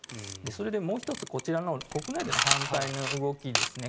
それでもう１つ、こちらの国内での反対の動きですね。